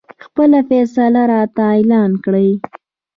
خپله فیصله راته اعلان کړي.